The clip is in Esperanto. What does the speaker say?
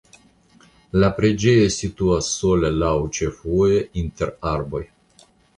La preĝejo situas sola laŭ la ĉefvojo inter arboj.